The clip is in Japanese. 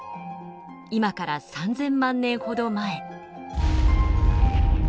今から３，０００万年ほど前。